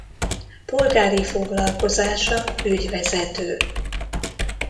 Polgári foglalkozása ügyvezető.